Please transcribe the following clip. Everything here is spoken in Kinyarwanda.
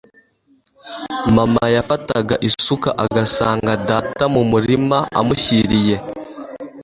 mama yafataga isuka agasanga data mu murima amushyiriye